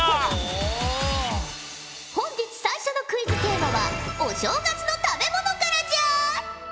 本日最初のクイズテーマはお正月の食べ物からじゃ！